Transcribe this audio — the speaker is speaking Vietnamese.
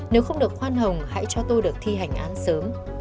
nếu không được khoan hồng hãy cho tôi được thi hành án sớm